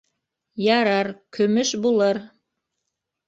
— Ярар, көмөш булыр.